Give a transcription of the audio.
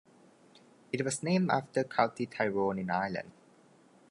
It was named after County Tyrone in Ireland.